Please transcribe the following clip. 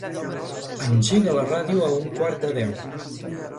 Engega la ràdio a un quart de deu.